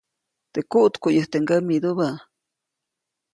Teʼ kuʼtkuʼyäjte ŋgämidubä.